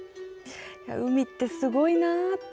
海ってすごいなって。